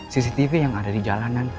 cctv yang ada di jalanan